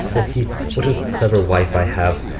said he, 'what a clever wife I have!